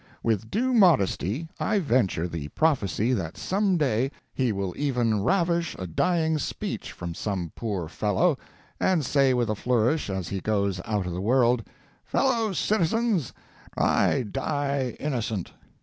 With due modesty I venture the prophecy that some day he will even ravish a dying speech from some poor fellow, and say with a flourish as he goes out of the world: "Fellow citizens, I die innocent."